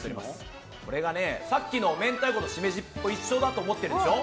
さっきの明太子としめじと一緒だと思ってるでしょ？